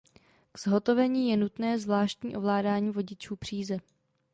Ke zhotovení je nutné zvláštní ovládání vodičů příze.